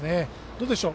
どうでしょう。